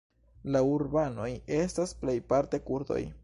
La urbanoj estas plejparte kurdoj.